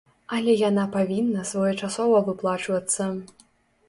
Але яна павінна своечасова выплачвацца.